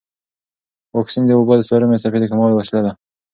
واکسن د وبا د څلورمې څپې د کمولو وسیله ده.